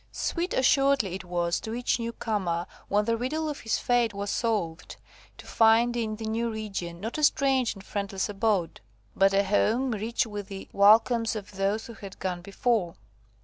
Sweet assuredly it was to each new comer, when the riddle of his fate was solved, to find in the new region, not a strange and friendless abode, but a home rich with the welcomes of those who had gone before.